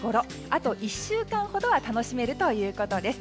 あと１週間ほどは楽しめるということです。